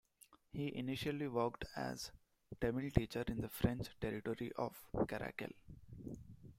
He initially worked as a Tamil teacher in the French territory of Karaikal.